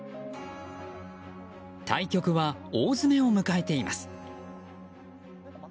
対局は大詰めを迎えています。